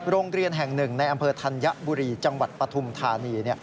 โรงเรียนแห่งหนึ่งในอำเภอธัญบุรีจังหวัดปฐุมธานี